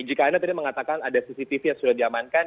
jika anda tadi mengatakan ada cctv yang sudah diamankan